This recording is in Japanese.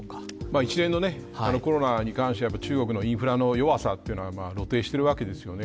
一連のコロナに関して中国のインフラの弱さが露呈しているわけですよね。